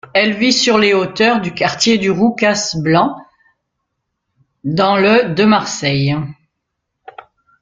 Elle vit sur les hauteurs du quartier du Roucas Blanc, dans le de Marseille.